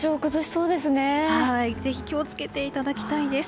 ぜひ気を付けていただきたいです。